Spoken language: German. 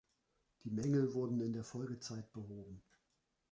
Die Mängel wurden in der Folgezeit behoben.